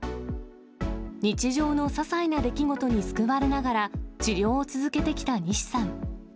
日常のささいな出来事に救われながら、治療を続けてきた西さん。